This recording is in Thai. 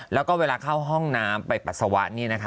แล้วก็เวลาเข้าห้องน้ำไปปัสสาวะ